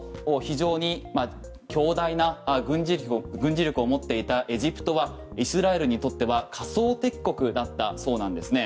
中でも非常に強大な軍事力を持っていたエジプトはイスラエルにとっては仮想敵国だったそうなんですね。